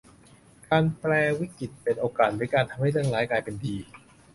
การแปรวิกฤตเป็นโอกาสหรือการทำให้เรื่องร้ายกลายเป็นดี